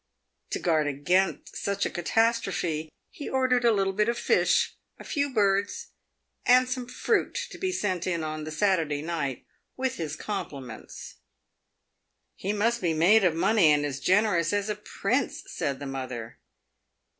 To guard against such a catastrophe, he ordered a little bit of fish, a few birds, and some fruit to be sent in on the Saturday night, " with his compliments." " He must be made of money, and as generous as a prince," said the mother.